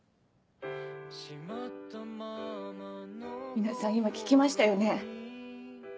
皆さん今聞きましたよね？